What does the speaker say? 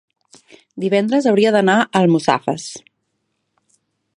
Divendres hauria d'anar a Almussafes.